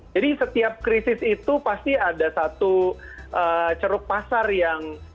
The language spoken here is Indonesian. jadi setiap krisis itu pasti ada satu ceruk pasar yang